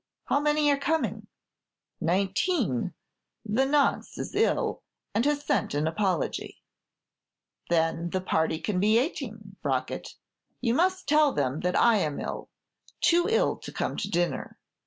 How many are coming?" "Nineteen; the 'Nonce' is ill, and has sent an apology." "Then the party can be eighteen, Brockett; you must tell them that I am ill, too ill to come to dinner.